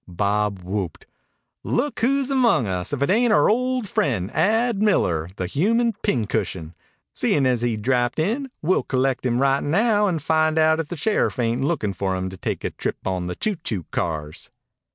Bob whooped. "Look who's among us. If it ain't our old friend Ad Miller, the human pincushion. Seein' as he drapped in, we'll collect him right now and find out if the sheriff ain't lookin' for him to take a trip on the choo choo cars."